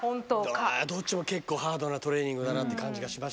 どっちも結構ハードなトレーニングだなって感じがしましたけど。